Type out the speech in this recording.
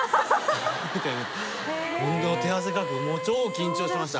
手汗かくもう超緊張しました。